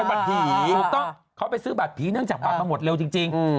บัตรผีถูกต้องเขาไปซื้อบัตรผีเนื่องจากบัตรมาหมดเร็วจริง